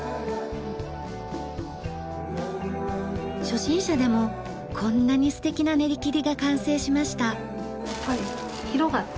初心者でもこんなに素敵な練り切りが完成しました。